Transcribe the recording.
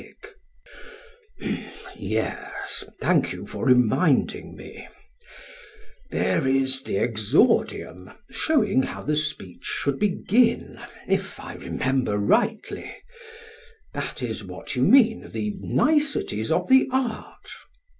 SOCRATES: Yes; thank you for reminding me: There is the exordium, showing how the speech should begin, if I remember rightly; that is what you mean the niceties of the art?